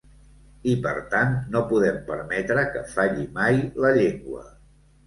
I, per tant, no podem permetre que falli mai la llengua.